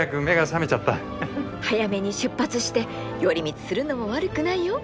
早めに出発して寄り道するのも悪くないよ。